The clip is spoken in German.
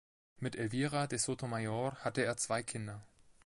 Mit Elvira de Sotomayor hatte er zwei Kinder.